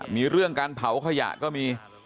มีเรื่องการเผาขยะก็มี